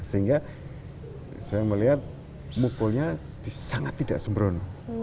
sehingga saya melihat mukulnya sangat tidak sembron